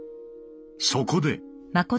そこで。